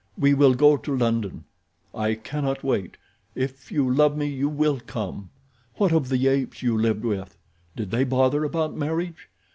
We will go to London. I cannot wait. If you love me you will come. What of the apes you lived with? Did they bother about marriage?